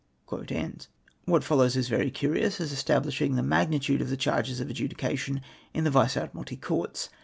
*' What follows is very curious, as establishing the mag nitude of the charges for adjudication in the Vice Admiralty Courts.